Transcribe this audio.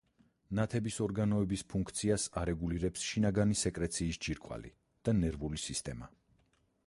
ნათების ორგანოების ფუნქციას არეგულირებს შინაგანი სეკრეციის ჯირკვალი და ნერვული სისტემა.